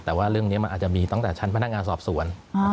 แต่ว่าเรื่องนี้มันอาจจะมีตั้งแต่ชั้นพนักงานสอบสวน